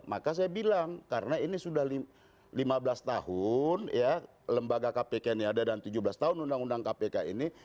maka saya bilang karena ini sudah lima belas tahun ya lembaga kpk ini ada dan tujuh belas tahun undang undang kpk ini